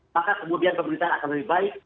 maka kemudian pemerintahan akan lebih baik